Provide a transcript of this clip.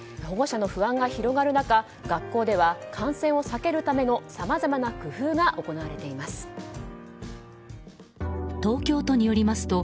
保護者の不安が広がる中学校では感染を避けるためのさまざまな工夫が行われています。